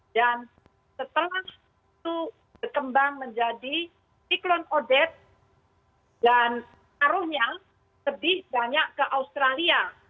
dan setelah itu berkembang menjadi siklon odet dan aruhnya lebih banyak ke australia